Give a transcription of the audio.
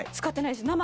使ってないです。